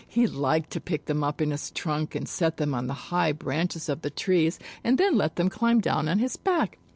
He liked to pick them up in his trunk and set them on the high branches of the trees and then let them climb down on his back.